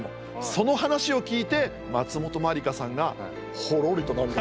その話を聞いて松本まりかさんがほろりと涙する。